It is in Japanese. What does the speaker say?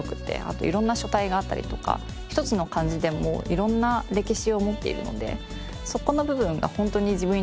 あと色んな書体があったりとか１つの漢字でも色んな歴史を持っているのでそこの部分が本当に自分にとって面白くて。